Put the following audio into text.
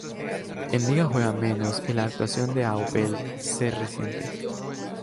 En liga juega menos y la actuación del Hapoel se resiente.